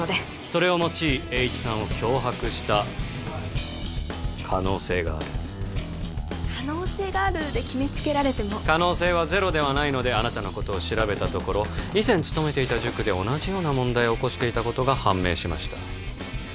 それを用い栄一さんを脅迫した可能性がある「可能性がある」で決めつけられても可能性はゼロではないのであなたのことを調べたところ以前勤めていた塾で同じような問題を起こしていたことが判明しました